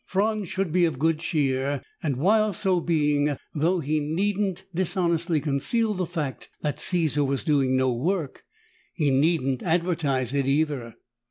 Franz should be of good cheer, and while so being, though he needn't dishonestly conceal the fact that Caesar was doing no work, he needn't advertise it either.